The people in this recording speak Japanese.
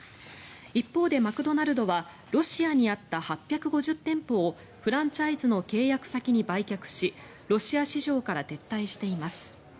一方で、マクドナルドはロシアにあった８５０店舗をフランチャイズの契約先に売却しロシア市場から撤退しています。